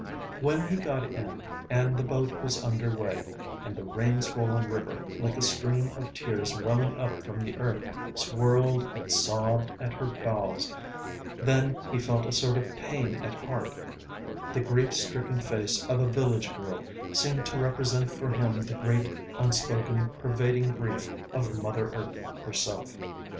When he got in and the boat was under way, and the rain swollen river, like a stream of tears welling up from the earth, swirled and sobbed at her bows, then he felt a sort of pain at heart; the grief stricken face of a village girl seemed to represent for him the great unspoken pervading grief of Mother Earth herself.